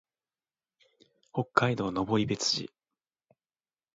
北海道登別市